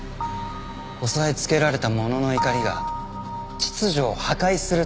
抑えつけられた者の怒りが秩序を破壊するところを。